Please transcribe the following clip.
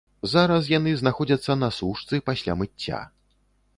Зараз яны знаходзяцца на сушцы, пасля мыцця.